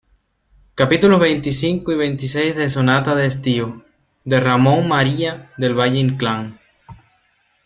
capítulos veinticinco y veintiséis de Sonata de estío, de Ramón María del Valle-Inclán.